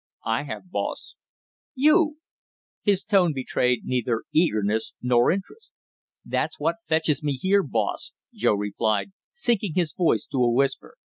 "I have, boss." "You?" His tone betrayed neither eagerness nor interest. "That's what fetches me here, boss!" Joe replied, sinking his voice to a whisper.